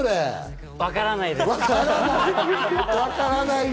わからないです。